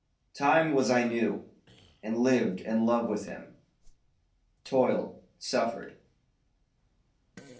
Time was I knew, and lived and loved with him; Toiled, suffered.